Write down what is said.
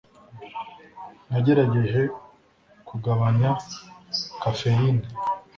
Nagerageje kugabanya kafeyine